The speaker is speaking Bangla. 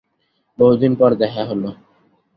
বহুদিন পর দেখা হলো।